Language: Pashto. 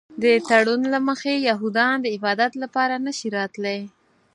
د تړون له مخې یهودان د عبادت لپاره نه شي راتلی.